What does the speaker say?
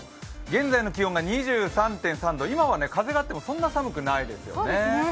現在の気温が２３．３度、今は風があっても、そんなに寒くないですよね。